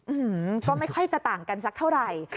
อืมก็ไม่ค่อยจะต่างกันสักเท่าไหร่